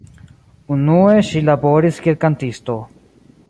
Unue ŝi laboris kiel kantisto.